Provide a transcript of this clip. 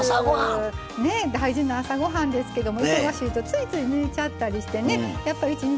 ねえ大事な朝ごはんですけど忙しいとついつい抜いちゃったりしてねやっぱり一日